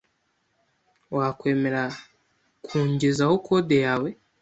Wakwemera kungezaho code yawe?